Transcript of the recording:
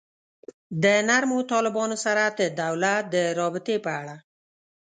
د نرمو طالبانو سره د دولت د رابطې په اړه.